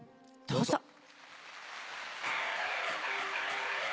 どうぞ。